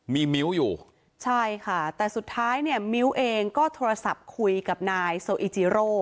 มีมิ้วอยู่ใช่ค่ะแต่สุดท้ายเนี่ยมิ้วเองก็โทรศัพท์คุยกับนายโซอิจิโร่